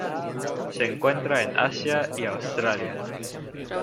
Se encuentra en Asia y Australia.